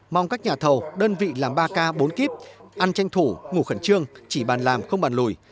mong các nhà thầu đơn vị làm ba k bốn kiếp ăn tranh thủ ngủ khẩn trương chỉ bàn làm không bàn lùi